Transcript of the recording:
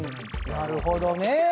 なるほどね。